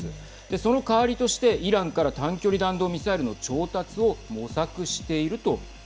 その代わりとしてイランから短距離弾道ミサイルの調達をはい。